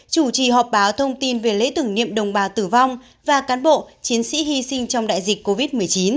chủ trì họp báo thông tin về lễ tưởng niệm đồng bào tử vong và cán bộ chiến sĩ hy sinh trong đại dịch covid một mươi chín